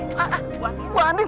kau tidak ini